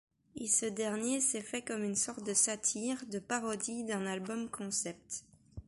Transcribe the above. Et ce dernier s'est fait comme une sorte de satire, de parodie d'un album-concept...